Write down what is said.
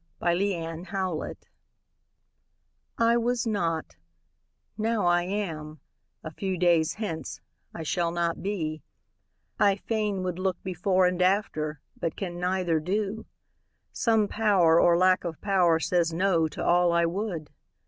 Y Z The Mystery I WAS not; now I am a few days hence, I shall not be; I fain would look before And after, but can neither do; some Pow'r Or lack of pow'r says "no" to all I would.